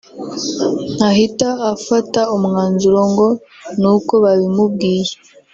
ntahita afata umwanzuro ngo nuko babimubwiye